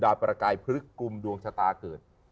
ประกายพฤกษุมดวงชะตาเกิด